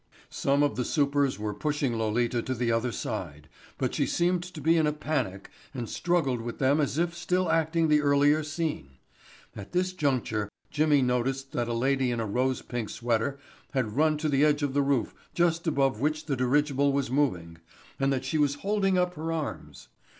Some of the supers were pushing Lolita to the other side, but she seemed to be in a panic and struggled with them as if still acting the earlier scene. At this juncture Jimmy noticed that a lady in a rose pink sweater had run to the edge of the roof just above which the dirigible was moving, and that she was holding up her arms.